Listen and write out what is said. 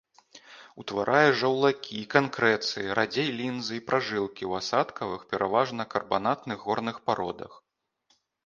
Утварае жаўлакі, канкрэцыі, радзей лінзы і пражылкі ў асадкавых, пераважна карбанатных горных пародах.